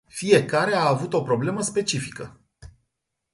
Fiecare a avut o problemă specifică.